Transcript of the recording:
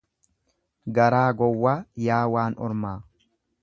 Garaa gowwaa yaa waan ormaa.